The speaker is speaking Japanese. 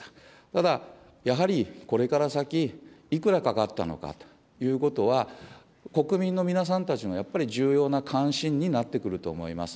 ただ、やはりこれから先、いくらかかったのかということは、国民の皆さんたちのやっぱり重要な関心になってくると思います。